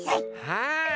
はい！